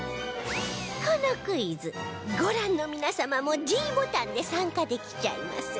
このクイズご覧の皆様も ｄ ボタンで参加できちゃいます